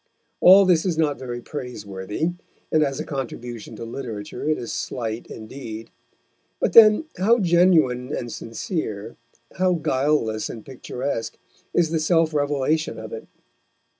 All this is not very praiseworthy, and as a contribution to literature it is slight indeed; but, then, how genuine and sincere, how guileless and picturesque is the self revelation of it!